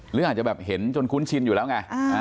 หรืออาจจะแบบเห็นจนคุ้นชินอยู่แล้วไง